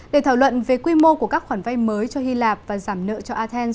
để thảo luận về quy mô của các khoản vay mới cho hy lạp và giảm nợ cho athens